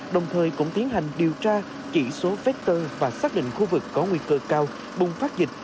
đồng thời cũng tiến hành điều tra chỉ số vector và xác định khu vực có nguy cơ cao bùng phát dịch